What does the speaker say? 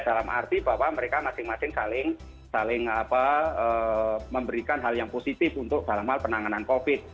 dalam arti bahwa mereka masing masing saling memberikan hal yang positif untuk dalam hal penanganan covid